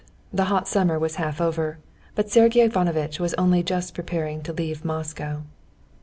The hot summer was half over, but Sergey Ivanovitch was only just preparing to leave Moscow.